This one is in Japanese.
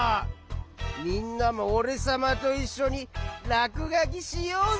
みんなもおれさまといっしょにらくがきしようぜ。